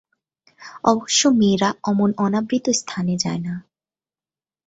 অবশ্য মেয়েরা অমন অনাবৃত স্থানে যায় না।